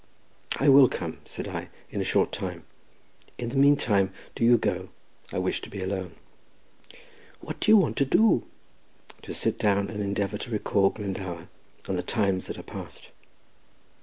"I will come," said I, "in a short time. In the meanwhile, do you go; I wish to be alone." "What do you want to do?" "To sit down and endeavour to recall Glendower, and the times that are past."